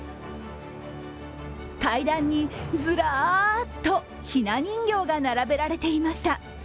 階段にずらっとひな人形が並べられていました。